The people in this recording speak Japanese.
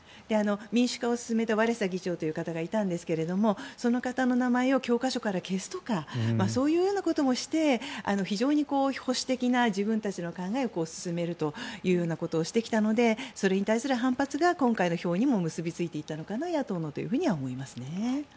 民主化を進めた議長がいたんですがその方の名前を教科書から消すとかそういうようなこともして非常に保守的な自分たちの考えを進めるということをしてきたのでそれに対する反発が今回の野党の票にも結びついていったのかなと思いますね。